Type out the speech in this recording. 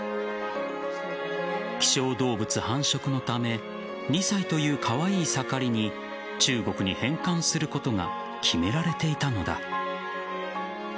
希少動物繁殖のため２歳というカワイイ盛りに中国に返還することが決められていたのだ。